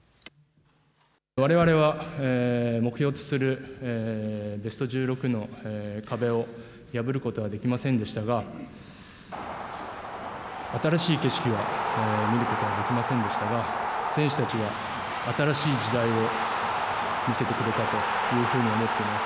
われわれは目標とするベスト１６の壁を破ることはできませんでしたが新しい景色は見ることはできませんでしたが、選手たちが新しい時代を見せてくれたというふうに思っています。